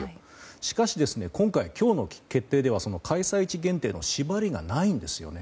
しかし、今日の決定では開催地限定の縛りがないんですよね。